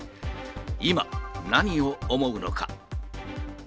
今、何を思うのか。